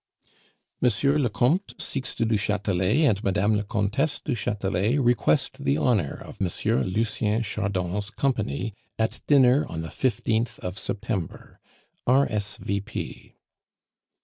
"M. le Comte Sixte du Chatelet and Mme. la Comtesse du Chatelet request the honor of M. Lucien Chardon's company at dinner on the fifteenth of September. R. S. V.